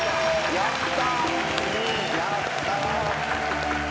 やった。